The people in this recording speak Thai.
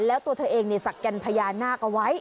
แล้วตัวเธอเองศักยันพญานาคเอาไว้